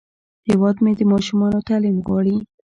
هیواد مې د ماشومانو تعلیم غواړي